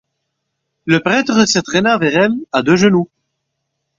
Le prêtre se traîna vers elle à deux genoux.